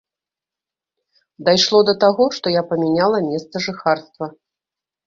Дайшло да таго, што я памяняла месца жыхарства.